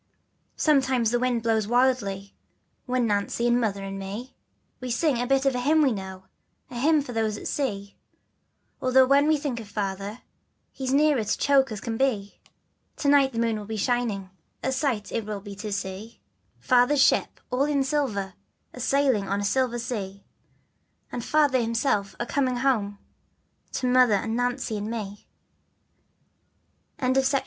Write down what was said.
Sometimes the wind blows wildly, But Nancy, and Mother, and me, We sing a bit of a hymn we know, The hymn for those at sea, Although when we think of Father, We're as near to choke as can be. To night the moon will be shining, A sight it will be to see, Father's ship all in silver, A'sail on a silver sea, And Father himself a coming ho To Mother and Nancy and me. FATHER'S BOAT.